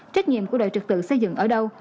trách nhiệm của đội trực tự xây dựng ở đâu